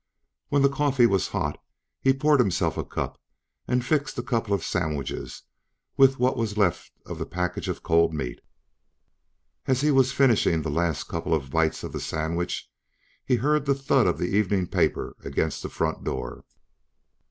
When the coffee was hot, he poured himself a cup and fixed a couple of sandwiches with what was left of the package of cold meat. As he was finishing the last couple of bites of the sandwich, he heard the thud of the evening paper against the front door.